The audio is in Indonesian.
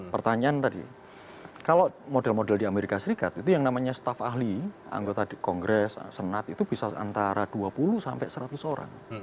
pertanyaan tadi kalau model model di amerika serikat itu yang namanya staff ahli anggota kongres senat itu bisa antara dua puluh sampai seratus orang